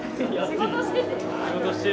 仕事してて。